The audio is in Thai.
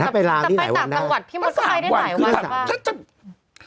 จะไปต่างจังหวัดพี่มดไปได้หลายวันบ้าง